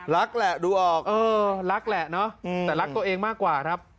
แหละดูออกเออรักแหละเนอะแต่รักตัวเองมากกว่าครับ